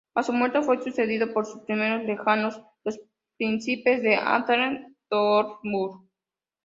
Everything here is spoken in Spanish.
A su muerte, fue sucedido por sus primos lejanos, los príncipes de Anhalt-Dornburg.